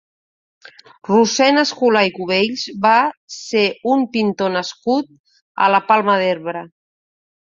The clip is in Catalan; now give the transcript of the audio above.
Rossend Escolà i Cubells va ser un pintor nascut a la Palma d'Ebre.